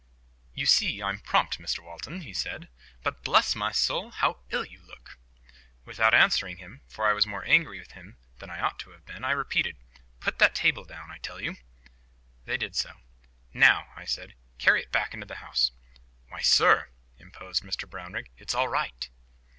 "You see I'm prompt, Mr Walton," he said. "But, bless my soul, how ill you look!" Without answering him—for I was more angry with him than I ought to have been—I repeated— "Put that table down, I tell you." They did so. "Now," I said, "carry it back into the house." "Why, sir," interposed Mr Brownrigg, "it's all right."